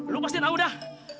lu pasti tau dah